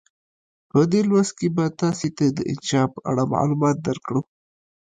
په دې لوست کې به تاسې ته د انشأ په اړه معلومات درکړو.